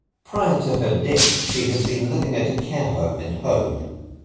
Prior to her death she had been living at a care home in Hove.